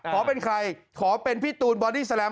ขอเป็นใครขอเป็นพี่ตูนบอดี้แลม